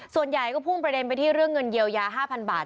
ส่วนใหญ่ก็พุ่งประเด็นไปที่เรื่องเงินเยียวยา๕๐๐บาท